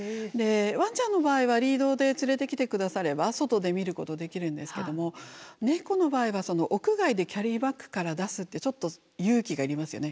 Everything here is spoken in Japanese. ワンチャンの場合はリードで連れてきて下されば外で診ることできるんですけども猫の場合は屋外でキャリーバッグから出すってちょっと勇気がいりますよね。